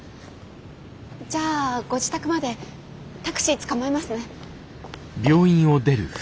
じゃあご自宅までタクシーつかまえますね。